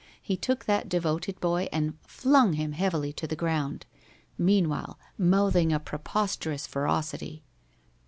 He took that devoted boy and flung him heavily to the ground, meanwhile mouthing a preposterous ferocity.